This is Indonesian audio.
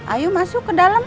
ayo masuk ke dalam